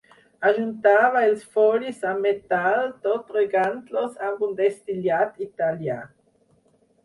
Ajuntava els folis amb metall tot regant-los amb un destil·lat italià.